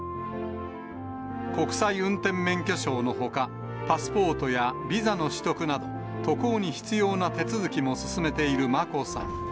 国際運転免許証のほか、パスポートやビザの取得など、渡航に必要な手続きも進めている眞子さん。